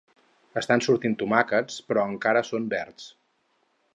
Estan sortint tomàquets però encara són verds